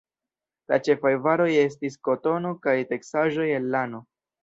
La ĉefaj varoj estis kotono kaj teksaĵoj el lano.